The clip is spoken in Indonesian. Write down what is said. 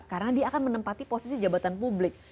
karena dia akan menempati posisi jabatan publik